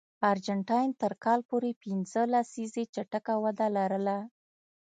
ارجنټاین تر کال پورې پنځه لسیزې چټکه وده لرله.